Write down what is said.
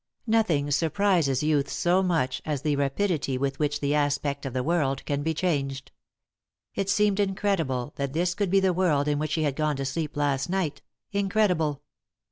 Nothing surprises youth so much as the rapidity with which the aspect of the world can be changed. It seemed incredible that this could be the world in which she had gone to sleep last night, incredible.